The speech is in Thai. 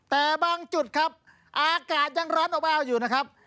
แต่บางจุดครับอากาศยังร้อนอบอ้าวอยู่นะครับ